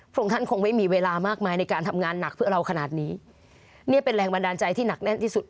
องค์ท่านคงไม่มีเวลามากมายในการทำงานหนักเพื่อเราขนาดนี้เนี่ยเป็นแรงบันดาลใจที่หนักแน่นที่สุด